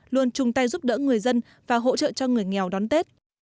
luôn chung tay giúp đỡ người dân và hỗ trợ cho người nghèo đón tết